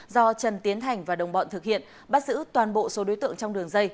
do trần tiến thành và đồng bọn thực hiện bắt giữ toàn bộ số đối tượng trong đường dây